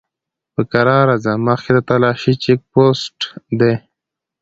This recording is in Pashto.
په کرار ځه! مخکې د تالاشی چيک پوسټ دی!